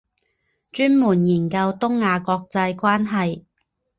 专门研究东亚国际关系。